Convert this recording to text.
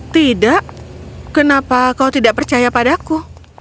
tidak kenapa kau tidak percaya padaku